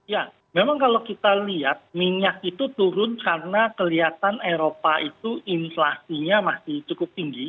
ya memang kalau kita lihat minyak itu turun karena kelihatan eropa itu inflasinya masih cukup tinggi